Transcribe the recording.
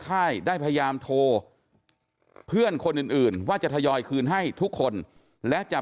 ค่ายได้พยายามโทรเพื่อนคนอื่นอื่นว่าจะทยอยคืนให้ทุกคนและจะ